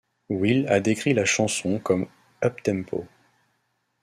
Will a décrit la chanson comme uptempo.